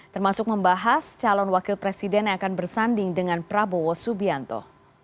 termasuk membahas calon wakil presiden yang akan bersanding dengan prabowo subianto